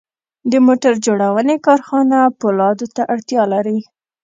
د موټر جوړونې کارخانه پولادو ته اړتیا لري